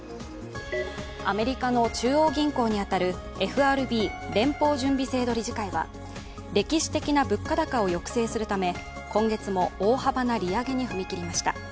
アメリカの中央銀行に当たるＦＲＢ＝連邦準備制度理事会は歴史的な物価高を抑制するため今月も大幅な利上げに踏み切りました。